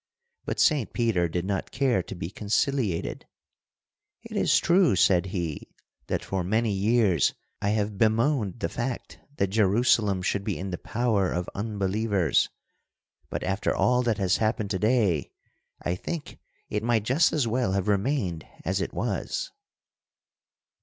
But Saint Peter did not care to be conciliated. 'It is true,' said he, 'that for many years I have bemoaned the fact that Jerusalem should be in the power of unbelievers, but after all that has happened to day, I think it might just as well have remained as it was.